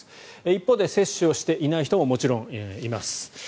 一方で接種をしていない人ももちろんいます。